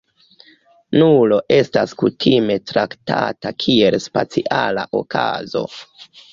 Nulo estas kutime traktata kiel speciala okazo.